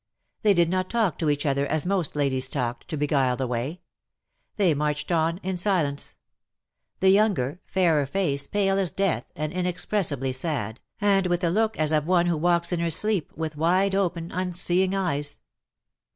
They did not talk to each other as most ladies talked, to beguile the way : they marched on in silence — the younger, fairer face pale as death and inexpressibly sad, and with a look as of one who walks in her sleep, with wide open, unseeing .eyes.